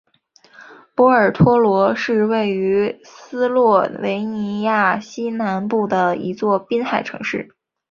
波尔托罗是位于斯洛维尼亚西南部的一座滨海城市。